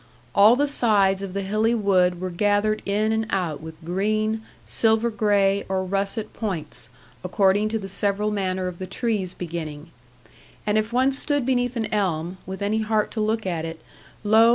All the sides of the hilly wood were gathered in and out with green, silver grey, or russet points, according to the several manner of the trees beginning. And if one stood beneath an elm, with any heart to look at it, lo!